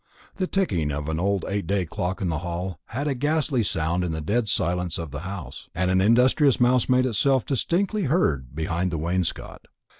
The ticking of an old eight day clock in the hall had a ghastly sound in the dead silence of the house, and an industrious mouse made itself distinctly heard behind the wainscot.